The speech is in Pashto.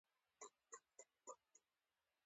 دا په دې چې دی ځان تر نورو بر ګڼي.